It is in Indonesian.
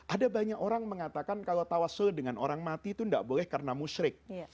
ada banyak orang mengatakan kalau tawasul dengan orang mati itu tidak boleh karena musyrik